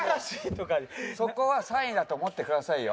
そこは３位だと思ってくださいよ。